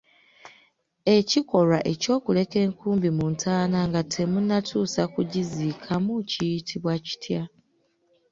Ekikolwa eky'okuleka enkumbi mu ntaana nga temunnatuusa kugiziikamu kiyitibwa kitya?